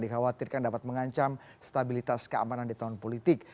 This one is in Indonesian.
dikhawatirkan dapat mengancam stabilitas keamanan di tahun politik